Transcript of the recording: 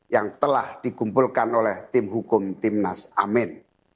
yang telah dikumpulkan oleh tim hukum timnas amin